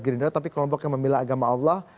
gdnr tapi kelompok yang memiliki agama allah